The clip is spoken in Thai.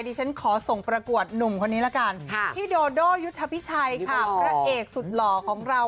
ดิฉันขอส่งประกวดหนุ่มคนนี้ละกันพี่โดโดยุทธพิชัยค่ะพระเอกสุดหล่อของเรา